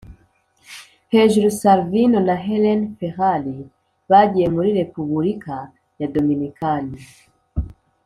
Hejuru Salvino na Helen Ferrari bagiye muri Repubulika ya Dominikani